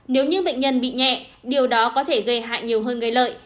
nếu như bệnh nhân bị nhẹ điều đó có thể gây hại nhiều hơn gây lợi